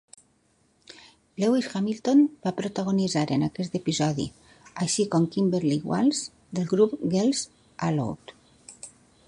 Lewis Hamilton va protagonitzar en aquest episodi, així com Kimberley Walsh, del grup Girls Aloud.